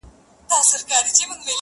دلته خواران ټوله وي دلته ليوني ورانوي.